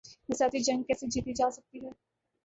نفسیاتی جنگ کیسے جیتی جا سکتی ہے۔